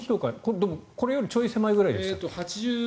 でも、これよりちょい狭いぐらいでした？